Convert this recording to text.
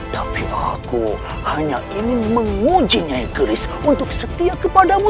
tapi aku hanya ingin menguji nyai keris untuk setia kepadamu